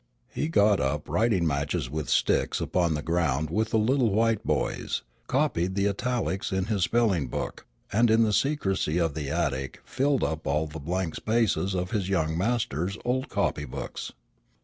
He got up writing matches with sticks upon the ground with the little white boys, copied the italics in his spelling book, and in the secrecy of the attic filled up all the blank spaces of his young master's old copy books.